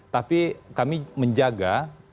tapi kami menjaga